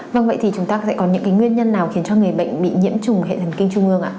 vâng vậy thì chúng ta sẽ có những nguyên nhân nào khiến cho người bệnh bị nhiễm trùng hệ thần kinh trung ương ạ